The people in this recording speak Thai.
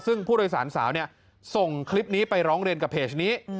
ซึ่งผู้โดยสารสาวส่งคลิปนี้ไปร้องเรียนกับเพจนี้